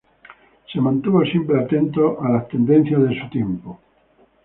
Se mantuvo siempre atento a las tendencias de su tiempo.